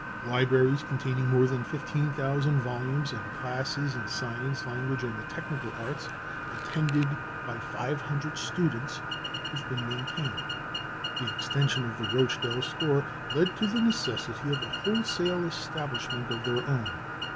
Libraries containing more than 15,000 volumes, and classes in science, language, and the technical arts, attended by 500 students, have been maintained. The extension of the Rochdale store led to the necessity of a wholesale establishment of their own.